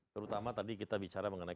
terutama tadi kita bicara mengenai